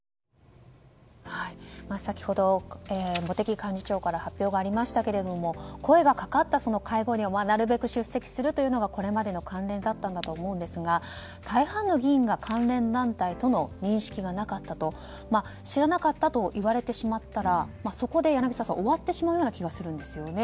先ほど、茂木幹事長から発表がありましたけれども声がかかった会合には、なるべく出席するというのがこれまでの慣例だったでしょうが大半の原因が関連団体との認識がなかったと知らなかったと言われてしまったらそこで柳澤さん終わってしまう気がするんですね。